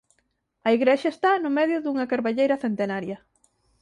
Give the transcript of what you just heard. A igrexa está no medio dunha carballeira centenaria.